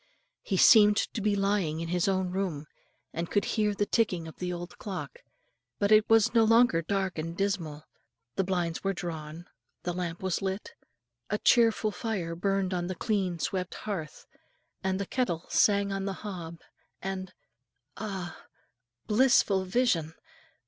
He seemed to be lying in his own room, and could hear the ticking of the old clock; but it was no longer dark and dismal, the blinds were drawn, the lamp was lit, a cheerful fire burned on the clean swept hearth, and the kettle sang on the hob, and ah, blissful vision!